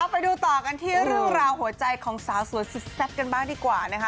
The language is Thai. ไปดูต่อกันที่เรื่องราวหัวใจของสาวสวยสุดแซ่บกันบ้างดีกว่านะคะ